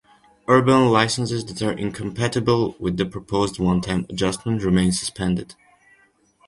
Urban licenses that are incompatible with the proposed one-time adjustment remain suspended.